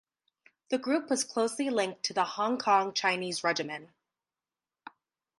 The group was closely linked to the Hong Kong Chinese Regiment.